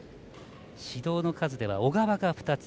指導の数では小川が２つ。